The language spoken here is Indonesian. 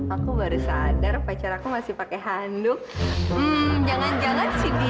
aku baru sadar pacar aku masih pake handuk